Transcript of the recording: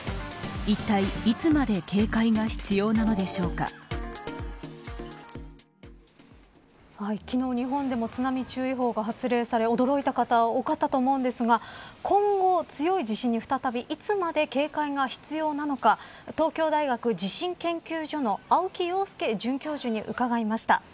いったい、いつまで昨日、日本でも津波注意報が発令され驚いた方多かったと思うのですが今後、強い地震に再びいつまで警戒が必要なのか東京大学地震研究所の青木陽介准教授に伺いました。